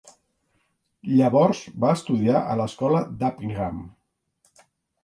Llavors va estudiar a l'escola d'Uppingham.